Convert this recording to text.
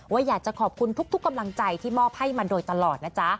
อยากจะขอบคุณทุกกำลังใจที่มอบให้มาโดยตลอดนะจ๊ะ